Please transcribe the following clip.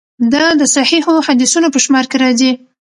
دا د صحیحو حدیثونو په شمار کې راځي.